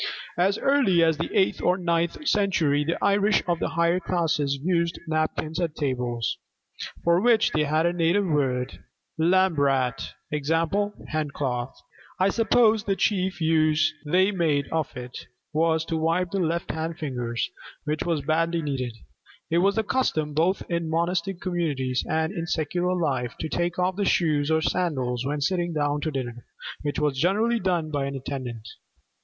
As early as the eighth or ninth century the Irish of the higher classes used napkins at table, for which they had a native word lambrat, i.e., 'hand cloth.' I suppose the chief use they made of it was to wipe the left hand fingers; which was badly needed. It was the custom, both in monastic communities and in secular life, to take off the shoes or sandals when sitting down to dinner; which was generally done by an attendant.